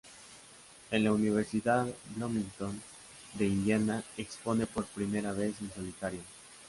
En la Universidad Bloomington de Indiana expone por primera vez en solitario.